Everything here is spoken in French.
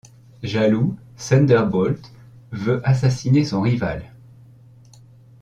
Jaloux, Thunderbolt veut assassiner son rival.